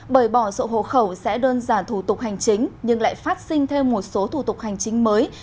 bởi bỏ sổ hộ khẩu sẽ đơn giản thủ tục hành chính nhưng lại phát sinh thêm một số thủ tục hành chính mới